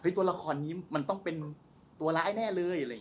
ตัวละครนี้มันต้องเป็นตัวร้ายแน่เลย